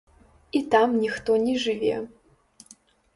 І там ніхто не жыве.